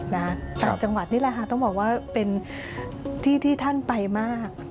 ต่างจังหวัดนี่แหละค่ะต้องบอกว่าเป็นที่ที่ท่านไปมาก